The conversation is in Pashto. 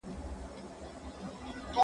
زه زدکړه کړې ده!.